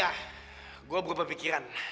ya gua berpikiran